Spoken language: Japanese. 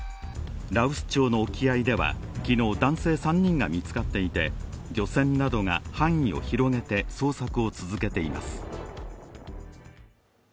羅臼町の沖合では、昨日男性３人が見つかっていて、漁船などが範囲を広げて捜索を続けています。